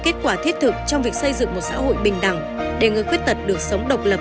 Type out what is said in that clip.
kết quả thiết thực trong việc xây dựng một xã hội bình đẳng để người khuyết tật được sống độc lập